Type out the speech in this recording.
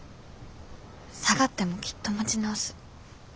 下がってもきっと持ち直す。